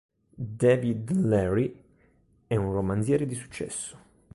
David Leary è un romanziere di successo.